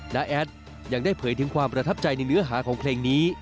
แอดยังได้เผยถึงความประทับใจในเนื้อหาของเพลงนี้